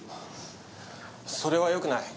それはよくない。